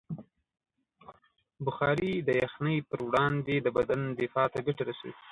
بخاري د یخنۍ پر وړاندې د بدن دفاع ته ګټه رسوي.